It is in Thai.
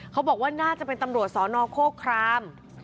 เขาบอกว่าน่าจะเป็นตำรวจสนโคคราม